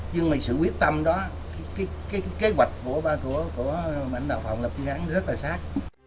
nhưng mà sự quyết tâm đó cái kế hoạch của ảnh đạo phòng lập thi hãng rất là sát